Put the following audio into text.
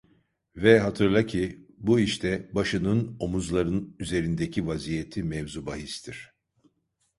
Ve hatırla ki bu işte başının omuzların üzerindeki vaziyeti mevzubahistir.